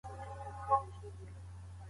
د کارګرانو مهارتونه ورځ تر بلې په زياتېدو دي.